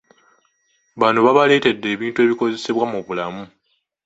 Bano babaleetedde ebintu ebikozesebwa mu bulamu.